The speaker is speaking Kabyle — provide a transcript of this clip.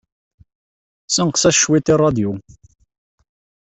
Ssenqes-as cwiṭ i ṛṛadyu.